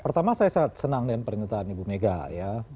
pertama saya sangat senang dengan pernyataan ibu mega ya